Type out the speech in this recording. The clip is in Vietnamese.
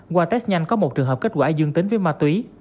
qua test nhanh có một trường hợp kết quả dương tính với ma túy